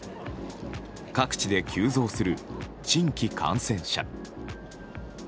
各地で急増する新規感染者。